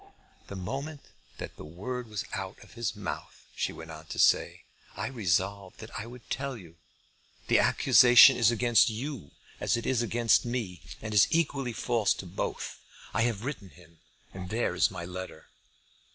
"The moment that the word was out of his mouth," she went on to say, "I resolved that I would tell you. The accusation is against you as it is against me, and is equally false to both. I have written to him, and there is my letter."